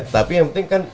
tapi yang penting kan